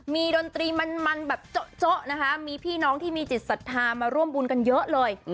ดนตรีมันแบบโจ๊ะนะคะมีพี่น้องที่มีจิตศรัทธามาร่วมบุญกันเยอะเลย